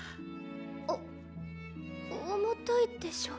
お重たいでしょ。